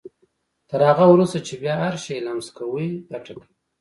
تر هغه وروسته چې بيا هر شی لمس کوئ ګټه کوي.